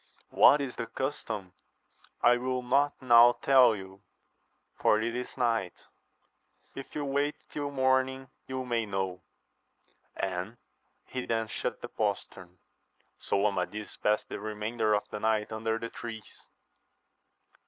— What is the custom %—l will not now tell you, for it is night : if you wait till morn ing you may know. And he then shut the postern. So Amadis passed the remainder of the night under the trees.